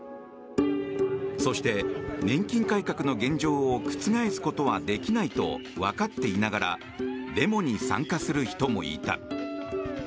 そして、年金改革の現状を覆すことはできないと分かっていながらデモに参加する人もいた。